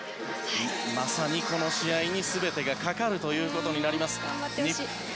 まさに、この試合に全てがかかることになります。